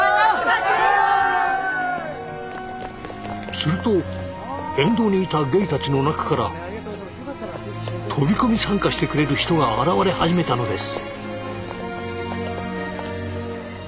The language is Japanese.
すると沿道にいたゲイたちの中から飛び込み参加してくれる人が現れ始めたのです。